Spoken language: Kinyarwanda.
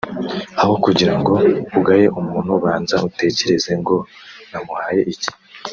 aho kugira ngo ugaye umuntu banza utekereze ngo namuhaye iki